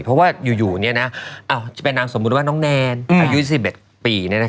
เพราะว่าอยู่จะเป็นนามสมมุติว่าน้องแนนอายุ๑๑ปี